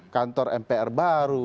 kantor mpr baru